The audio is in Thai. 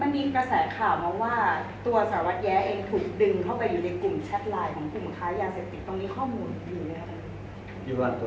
มีกระแสข่าวมาว่าตัวสารวัตรแย้เองถูกดึงเข้าไปอยู่ในกลุ่มแชทไลน์ของกลุ่มค้ายาเสพติดตรงนี้ข้อมูลดีไหมคะ